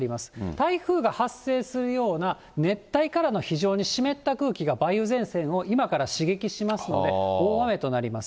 台風が発生するような、熱帯からの非常に湿った空気が梅雨前線を今から刺激しますので、大雨となります。